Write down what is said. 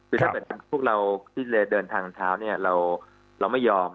คือถ้าเกิดพวกเราที่จะเดินทางเท้าเนี่ยเราไม่ยอม